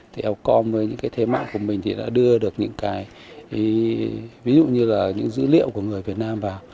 thì elcom với những cái thế mạng của mình thì đã đưa được những cái ví dụ như là những dữ liệu của người việt nam vào